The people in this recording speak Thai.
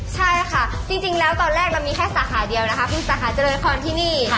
ใช่ค่ะจริงแล้วตอนแรกเรามีแค่สาขาเดียวนะคะเป็นสาขาเจริญพรที่นี่